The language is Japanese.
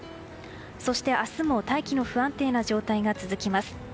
そして、明日も大気の不安定な状態が続きます。